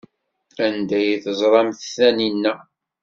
Anda ay teẓramt Taninna?